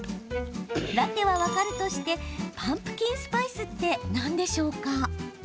ラテは分かるとしてパンプキンスパイスって何でしょうか？